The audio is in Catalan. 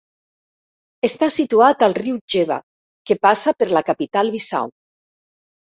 Està situat al riu Geba, que passa per la capital Bissau.